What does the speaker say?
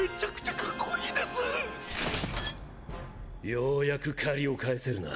ようやく借りを返せるな。